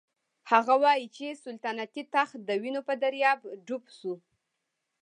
هغه وايي چې سلطنتي تخت د وینو په دریاب ډوب شو.